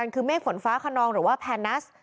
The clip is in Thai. คือเมฆฝนฟ้าขนองหรือว่าแพนัส